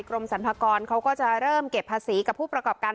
กรมสรรพากรเขาก็จะเริ่มเก็บภาษีกับผู้ประกอบการ